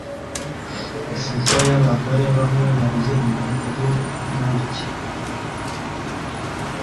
Ifoto yabagore bamwe baririmba kuri mike